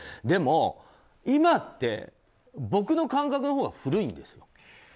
でも、今って僕の感覚のほうが古いんですか？